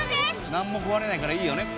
なんも壊れないからいいよね。